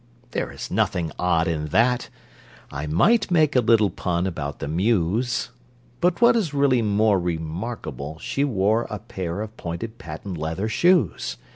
There is nothing odd in that (I might make a little pun about the Mews!) But what is really more Remarkable, she wore A pair of pointed patent leather shoes.